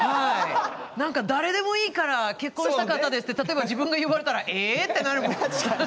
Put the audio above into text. なんか誰でもいいから結婚したかったですって例えば自分が言われたら「え！」ってなるもん。